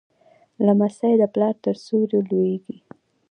لمسی د پلار تر سیوري لویېږي.